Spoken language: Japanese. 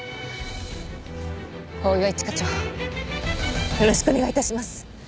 大岩一課長よろしくお願い致します。